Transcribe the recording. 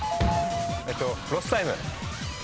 ロスタイム。